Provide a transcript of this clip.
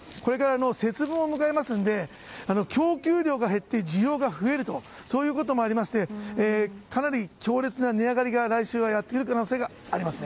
節分を迎えますので供給量が減って需要が増えることもありましてかなり強烈な値上げが、来週はやってくる可能性があります。